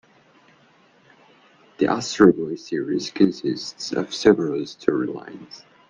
The "Astro Boy" series consists of several story lines.